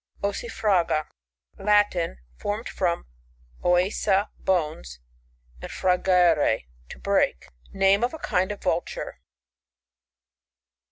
Ossifraga. — Latin. Formed from ifisa, bones, nnd frangere, to break. Name of a kind of Vulture.